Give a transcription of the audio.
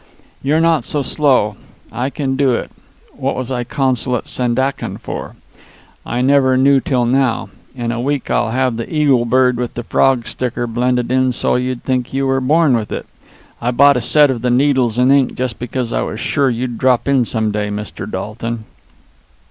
"You're not so slow. I can do it. What was I consul at Sandakan for? I never knew till now. In a week I'll have the eagle bird with the frog sticker blended in so you'd think you were born with it. I brought a set of the needles and ink just because I was sure you'd drop in some day, Mr. Dalton."